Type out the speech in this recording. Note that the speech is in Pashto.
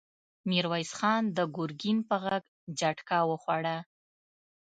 ميرويس خان د ګرګين په غږ جټکه وخوړه!